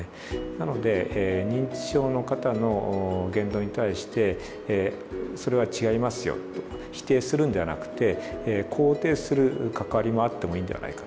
なので認知症の方の言動に対してそれは違いますよと否定するんではなくて肯定する関わりもあってもいいんではないかな。